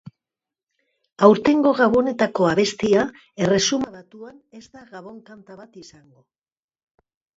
Aurtengo Gabonetako abestia Erresuma Batuan ez da gabon-kanta bat izango.